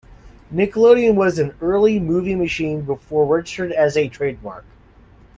"Nickelodeon" was an early movie machine before registered as a trademark.